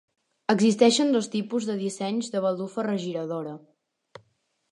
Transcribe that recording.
Existeixen dos tipus de dissenys de baldufa regiradora.